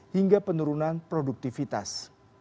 hingga penurunan produktivitas